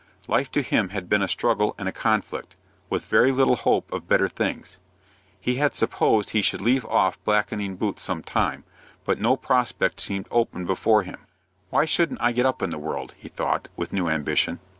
Life to him had been a struggle and a conflict, with very little hope of better things. He had supposed he should leave off blacking boots some time, but no prospect seemed open before him. "Why shouldn't I get up in the world?" he thought, with new ambition.